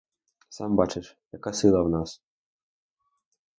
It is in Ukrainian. Сам бачиш, яка сила в нас.